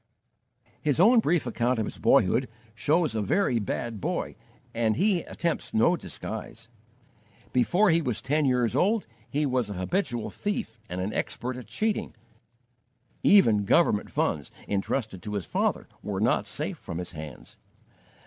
His own brief account of his boyhood shows a very bad boy and he attempts no disguise. Before he was ten years old he was a habitual thief and an expert at cheating; even government funds, entrusted to his father, were not safe from his hands.